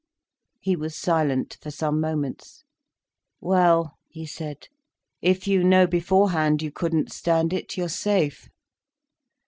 He was silent for some moments. "Well," he said, "if you know beforehand you couldn't stand it, you're safe."